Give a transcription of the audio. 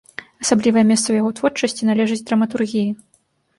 Асаблівае месца ў яго творчасці належыць драматургіі.